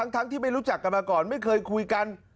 ทั้งที่ไม่รู้จักกันมาก่อนไม่เคยคุยกัน